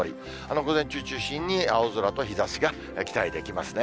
午前中中心に青空と日ざしが期待できますね。